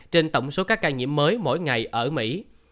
trên tổng số các ca nhiễm mới mỗi ngày ở mỹ